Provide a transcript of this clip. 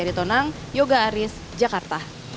pijakan fiskal dua ribu dua puluh empat